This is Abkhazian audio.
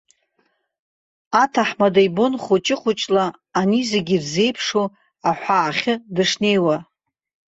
Аҭаҳмада ибон, хәыҷы-хәыҷла ани зегьы ирзеиԥшу аҳәаахьы дышнеиуа.